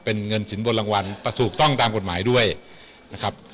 เป็นเงินสินบนรางวัลแต่ถูกต้องตามกฎหมายด้วยนะครับ